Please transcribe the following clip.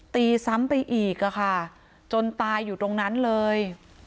ตีซ้ำไปอีกอะค่ะจนตายอยู่ตรงนั้นเลย